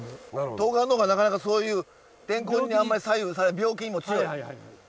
とうがんの方がなかなかそういう天候にあんまり左右されない病気にも強い。